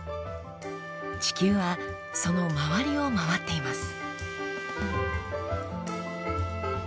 地球はその周りを回っています。